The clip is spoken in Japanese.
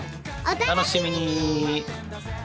お楽しみに！